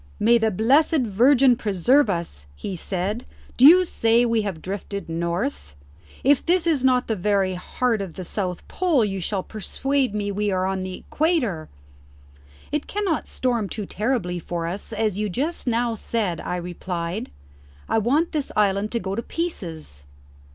"May the blessed Virgin preserve us!" he said. "Do you say we have drifted north? If this is not the very heart of the south pole you shall persuade me we are on the equator." "It cannot storm too terribly for us, as you just now said," I replied. "I want this island to go to pieces."